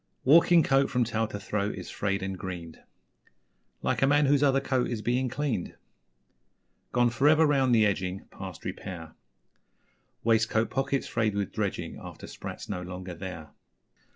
Walking coat from tail to throat is Frayed and greened Like a man whose other coat is Being cleaned; Gone for ever round the edging Past repair Waistcoat pockets frayed with dredging After 'sprats' no longer there.